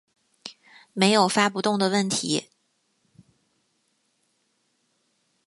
没有发不动的问题